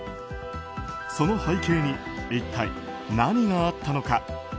その背景に、一体何があったのか。